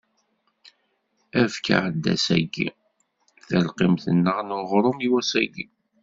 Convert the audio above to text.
Efk-aɣ-d ass-agi talqimt-nneɣ n uɣrum i wass-agi.